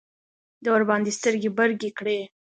ده ورباندې سترګې برګې کړې.